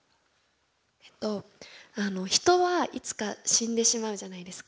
えっと人はいつか死んでしまうじゃないですか。